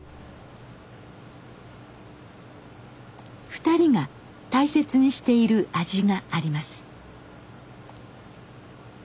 ２人が大切にしている味があります。